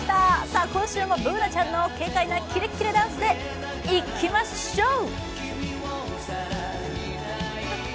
さあ今週もＢｏｏｎａちゃんの軽快なキレキレダンスでいきましょう！